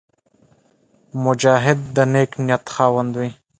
مجاهد د نېک نیت خاوند وي.